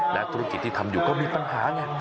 และธุรกิจที่ทำอยู่ก็มีปัญหาไง